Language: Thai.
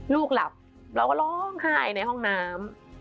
ลูกหลับเราก็ร้องไห้ในห้องน้ำ